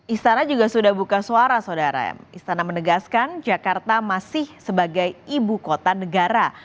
istana juga sudah buka suara saudara istana menegaskan jakarta masih sebagai ibu kota negara